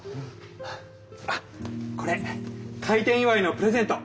あっこれ開店祝いのプレゼント。